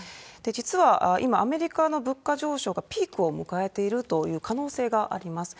実は今、アメリカの物価上昇がピークを迎えているという可能性があります。